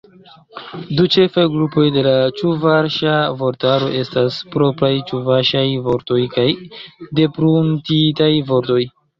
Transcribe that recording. Du ĉefaj grupoj de la ĉuvaŝa vortaro estas: propraj ĉuvaŝaj vortoj kaj depruntitaj vortoj.